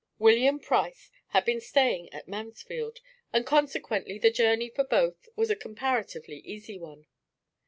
William Price had been staying at Mansfield, and consequently the journey for both was a comparatively easy one.